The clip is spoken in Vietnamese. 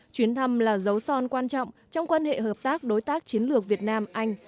chuyến thăm là dấu son quan trọng trong quan hệ hợp tác đối tác chiến lược việt nam anh